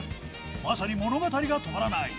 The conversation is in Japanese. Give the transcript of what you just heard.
まさに物語が止まらない。